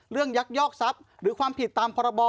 ยักยอกทรัพย์หรือความผิดตามพรบ